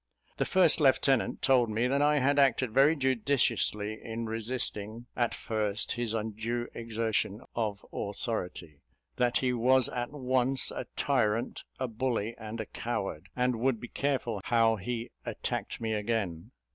The first lieutenant told me that I had acted very judiciously in resisting at first his undue exertion of authority; that he was at once a tyrant, a bully, and a coward, and would be careful how he attacked me again.